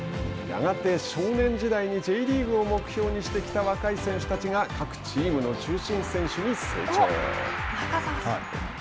やがて少年時代にＪリーグを目標にしてきた若い選手たちが各チームの中心選手に成長。